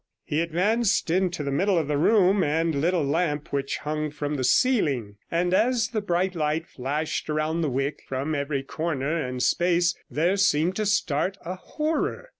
He advanced into the middle of the room, and lit a lamp which hung from the ceiling; and as the bright light flashed round the wick, from every corner and space there seemed to start a horror.